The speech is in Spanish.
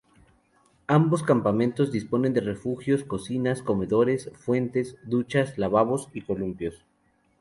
Ambos campamentos disponen de refugios, cocinas, comedores, fuentes, duchas, lavabos y columpios.